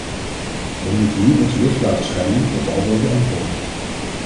We moeten nu ons licht laten schijnen op al deze antwoorden.